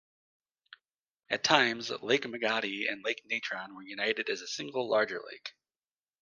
At times, Lake Magadi and Lake Natron were united as a single larger lake.